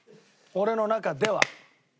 俺の中では。